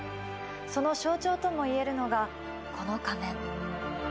その象徴ともいえるのがこの仮面。